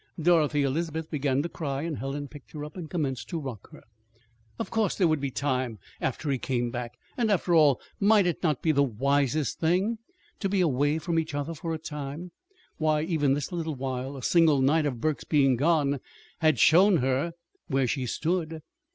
Dorothy Elizabeth began to cry, and Helen picked her up and commenced to rock her. Of course there would be time after he came back. And, after all, might it not be the wisest thing, to be away from each other for a time? Why, even this little while a single night of Burke's being gone had shown her where she stood!